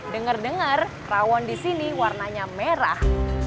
dengar dengar rawon di sini warnanya merah